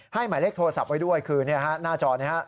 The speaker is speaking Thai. ให้หมายเลขโทรศัพท์ไว้ด้วยคือหน้าจอ๐๘๘๑๑๓๐๙๓๖